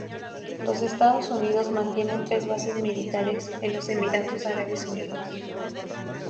Los Estados Unidos mantienen tres bases militares en los Emiratos Árabes Unidos.